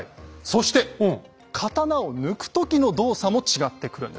そして刀を抜く時の動作も違ってくるんですね。